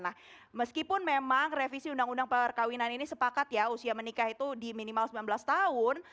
nah meskipun memang revisi undang undang perkawinan ini sepakat ya usia menikah itu di minimal sembilan belas tahun